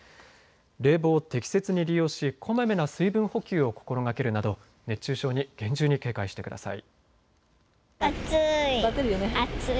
冷房を適切に利用しこまめな水分補給を心がけるなど熱中症に厳重に警戒してください。